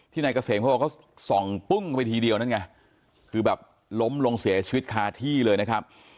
นายเกษมเขาบอกเขาส่องปุ้งไปทีเดียวนั่นไงคือแบบล้มลงเสียชีวิตคาที่เลยนะครับ